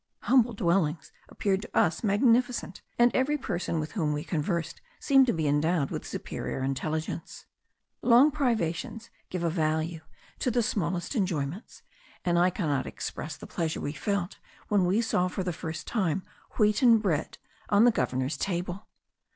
Humble dwellings appeared to us magnificent; and every person with whom we conversed seemed to be endowed with superior intelligence. Long privations give a value to the smallest enjoyments; and I cannot express the pleasure we felt when we saw for the first time wheaten bread on the governor's table.